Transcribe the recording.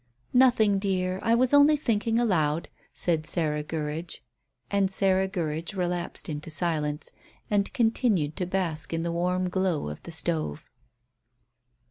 "Nothing, dear, I was only thinking aloud." And Sarah Gurridge relapsed into silence, and continued to bask in the warm glow of the stove.